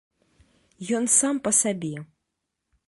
Ён сам па сабе.